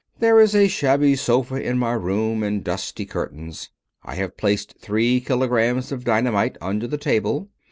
There is a shabby sofa in my room and dusty curtains. I have placed three kilograms of dynamite under the table.